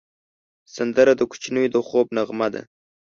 سندره د کوچنیو د خوب نغمه ده